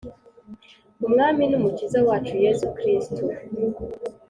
Umwami nUmukiza wacu Yesu Kristo